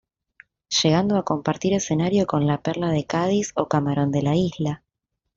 Llegando a compartir escenario con La Perla de Cádiz o Camarón de la Isla.